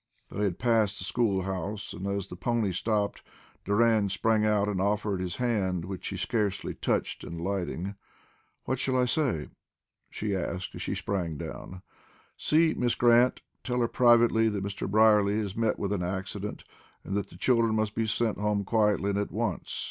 They had passed the school house and as the pony stopped, Doran sprang out and offered his hand, which she scarcely touched in alighting. "What shall I say?" she asked as she sprang down. "See Miss Grant. Tell her privately that Mr. Brierly has met with an accident, and that the children must be sent home quietly and at once.